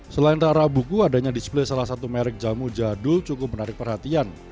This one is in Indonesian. selain rara buku adanya display salah satu merek jamu jadul cukup menarik perhatian